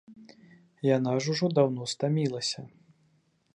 Яна ж ужо даўно стамілася.